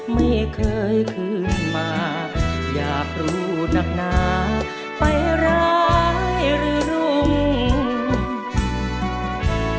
ไม่เคยคืนมาอยากรู้นักหนาไปร้ายหรือรุ่ง